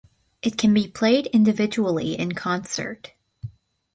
It can be played individually in concert.